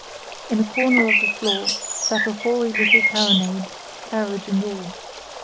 In a corner of the floor sat a hoary little carronade, carriage and all.